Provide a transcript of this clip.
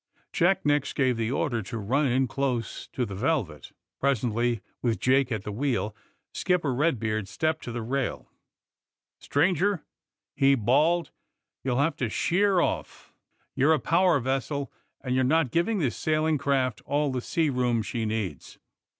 Jack next gave the order to run in close to the ^^ Velvet.'^ Presently, with Jake at the wheel, Skipper Eedbeard stepped to the rail. *^ Stranger," he bawled, ''you'll have to sheer off. You're a power vessel, and you're not giv ing this sailing craft all the sea room she needs."